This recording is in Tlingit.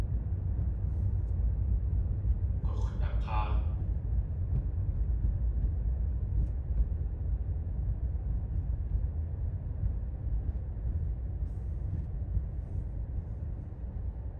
Gux̲dak̲áa.